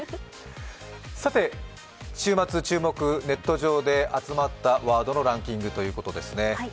さて、週末注目、ネット上で集まったワードのランキングということですね。